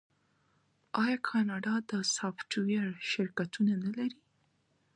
آیا کاناډا د سافټویر شرکتونه نلري؟